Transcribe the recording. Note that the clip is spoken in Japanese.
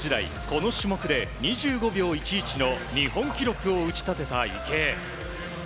この種目で２５秒１１の日本記録を打ち立てた池江。